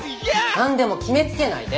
何でも決めつけないで！